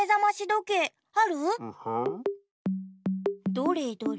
どれどれ。